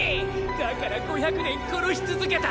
だから５００年殺し続けた。